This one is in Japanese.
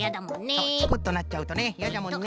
そうチクッとなっちゃうとねいやじゃもんね。